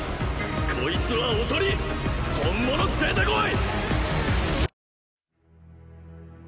こいつはおとり本物出てこい！